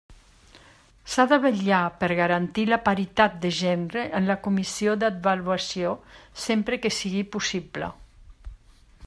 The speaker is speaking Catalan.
S'ha de vetllar per garantir la paritat de gènere en la Comissió d'Avaluació, sempre que sigui possible.